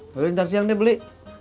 lalu ntar siang ini beli